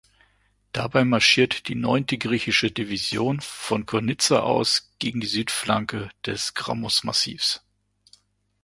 Dabei marschiert die neunte griechische Division von Konitsa aus gegen die Südflanke des Grammos-Massivs.